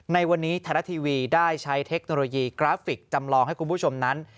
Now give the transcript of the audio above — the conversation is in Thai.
ในวันนี้ไทยรัฐทีวีได้ใช้เทคโนโลยีกราฟิกจำลองให้คุณผู้ชมนั้น